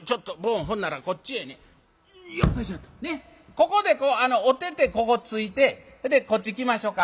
ここでこうお手々ここついてそれでこっち来ましょか。